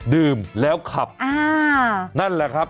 ดื่มแล้วขับนั่นแหละครับ